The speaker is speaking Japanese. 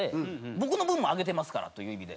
僕の分もあげてますからという意味で。